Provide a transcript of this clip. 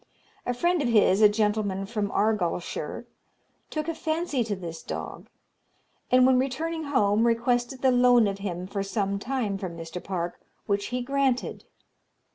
A friend of his, a gentleman from Argyllshire, took a fancy to this dog; and, when returning home, requested the loan of him for some time from Mr. Park, which he granted.